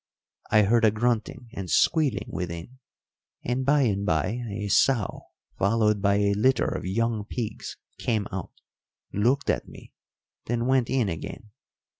I heard a grunting and squealing within, and by and by a sow, followed by a litter of young pigs, came out, looked at me, then went in again.